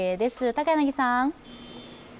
高柳さん。